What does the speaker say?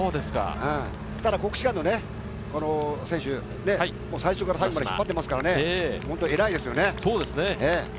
ただ国士舘の選手、最初から最後まで引っ張っていますからね、偉いですよね。